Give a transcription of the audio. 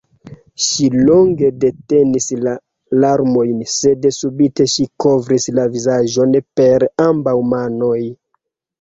Ŝi longe detenis la larmojn, sed subite ŝi kovris la vizaĝon per ambaŭ manoj.